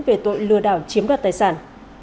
về tội lừa đảo chiếm đoạt tài sản